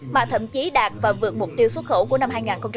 mà thậm chí đạt và vượt mục tiêu xuất khẩu của năm hai nghìn hai mươi